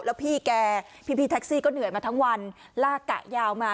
แล้วพี่แกพี่แท็กซี่ก็เหนื่อยมาทั้งวันลากกะยาวมา